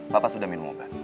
papa sudah minum obat